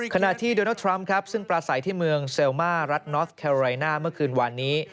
ขณะที่โดนัลดทรัมป์ครับซึ่งปลาใสที่เมืองเซลมารัฐนอสแคโรไรน่าเมื่อคืนวานนี้